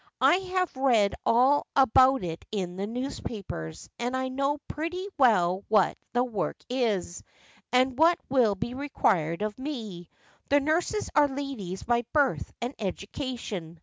I have read all about it in the newspapers, and I know pretty well what the work is, and what will be required of me. The nurses are ladies by birth and education.